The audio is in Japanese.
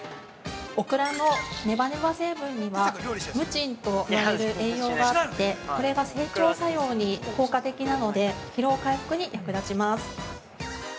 オクラのネバネバ成分にはムチンと言われる栄養があってこれが整腸作用に効果的なので疲労回復に役立ちます。